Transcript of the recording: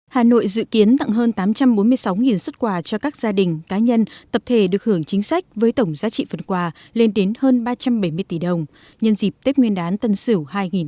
hà nội dự kiến tặng hơn tám trăm bốn mươi sáu xuất quà cho các gia đình cá nhân tập thể được hưởng chính sách với tổng giá trị phần quà lên đến hơn ba trăm bảy mươi tỷ đồng nhân dịp tết nguyên đán tân sửu hai nghìn hai mươi một